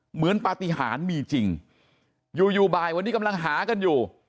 เหมือนปฏิหารมีจริงอยู่อยู่บ่ายวันนี้กำลังหากันอยู่